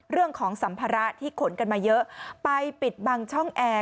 สัมภาระที่ขนกันมาเยอะไปปิดบังช่องแอร์